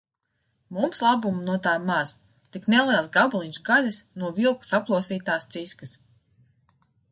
Mums labuma no tā maz, tik neliels gabaliņš gaļas no vilku saplosītās ciskas.